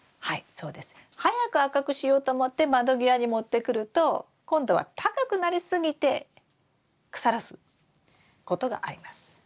はいそうです。早く赤くしようと思って窓際に持ってくると今度は高くなりすぎて腐らすことがあります。